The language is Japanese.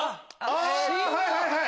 あぁはいはいはい。